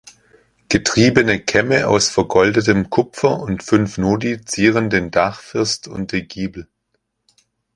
Getriebene Kämme aus vergoldetem Kupfer und fünf Nodi zieren den Dachfirst und die Giebel.